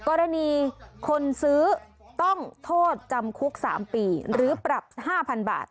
กรณีคนซื้อต้องโทษจำคุก๓ปีหรือปรับ๕๐๐๐บาท